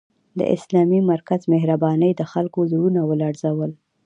د اسلامي مرکز مهربانۍ د خلکو زړونه ولړزول